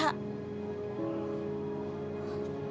aku ingin merasakan kesalahannya terhadap aku dan liya